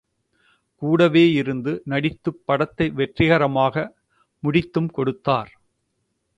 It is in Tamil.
கூடவே இருந்து நடித்துப் படத்தை வெற்றிகரமாக முடித்தும் கொடுத்தார்.